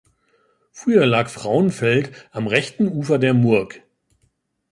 Früher lag Frauenfeld am rechten Ufer der Murg.